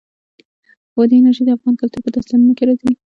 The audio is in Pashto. بادي انرژي د افغان کلتور په داستانونو کې راځي.